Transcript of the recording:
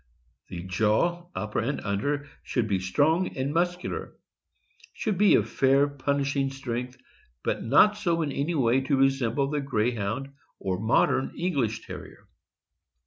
The /aw, upper and under, should be strong and muscu lar; should be of fair punishing strength, but not so in any way to resemble the Greyhound or modern English Terrier.